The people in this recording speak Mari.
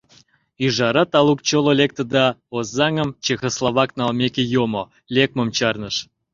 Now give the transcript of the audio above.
«Ӱжара» талук чоло лекте да Озаҥым чехословак налмеке йомо, лекмым чарныш.